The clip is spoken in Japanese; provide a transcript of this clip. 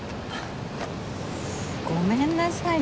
ごめんなさいね。